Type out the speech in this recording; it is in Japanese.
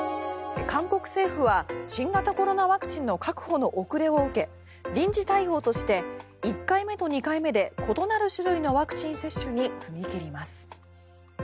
韓国政府は新型コロナワクチンの確保の遅れを受け臨時対応として１回目と２回目で異なる種類のワクチン接種に踏み切ります。